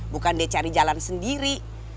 bukan dia cari jalan sendiri